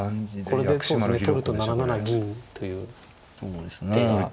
これで取ると７七銀という手が。